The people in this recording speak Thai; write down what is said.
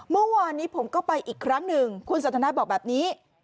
เมื่อวานนี้ผมก็ไปอีกครั้งหนึ่งคุณสันทนาบอกแบบนี้